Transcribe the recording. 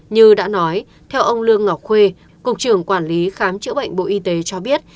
như đã nói theo ông lương ngọc khuê cục trưởng quản lý khám chữa bệnh bộ y tế cho biết